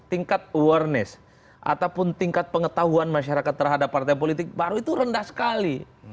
tingkat awareness ataupun tingkat pengetahuan masyarakat terhadap partai politik baru itu rendah sekali